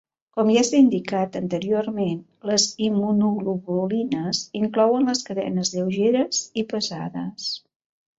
Com ja s'ha indicat anteriorment, les immunoglobulines inclouen les cadenes lleugeres i pesades.